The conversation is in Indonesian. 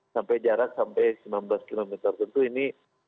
sampai jarak sampai sembilan belas km tentu ini